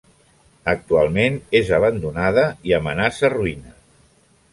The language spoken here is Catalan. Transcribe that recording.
Actualment és abandonada i amenaça ruïna.